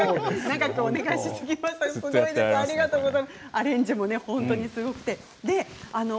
アレンジも本当にすごくて。